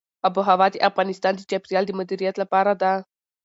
آب وهوا د افغانستان د چاپیریال د مدیریت لپاره ده.